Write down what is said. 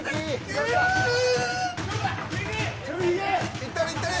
いったれ、いったれ。